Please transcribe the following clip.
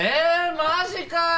マジかよ！